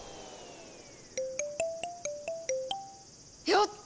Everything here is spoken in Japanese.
やった！